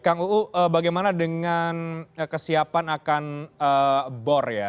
kang uu bagaimana dengan kesiapan akan bor ya